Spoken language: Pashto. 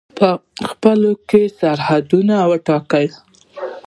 خپلو کې یې سرحدونه وټاکل.